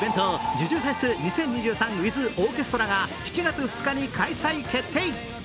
「じゅじゅフェス２０２３ｗｉｔｈオーケストラ」が７月２日に開催決定。